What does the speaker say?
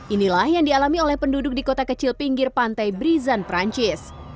inilah yang dialami oleh penduduk di kota kecil pinggir pantai brisan perancis